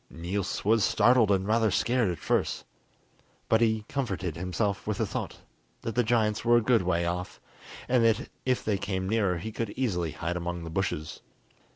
Niels was startled and rather scared at first, but he comforted himself with the thought that the giants were a good way off, and that if they came nearer he could easily hide among the bushes.